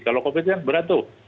kalau covid berat tuh